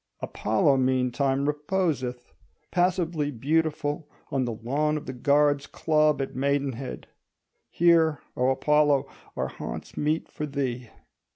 Apollo meantime reposeth, passively beautiful, on the lawn of the Guards' Club at Maidenhead. Here, O Apollo, are haunts meet for thee.